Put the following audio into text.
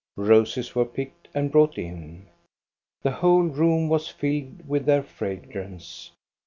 Roses were picked and brought in. The whole room was filled with their fragrance.